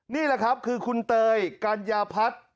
นี่แหละครับคือคุณเตยกัญญาพัฒน์